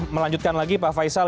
melanjutkan lagi pak faisal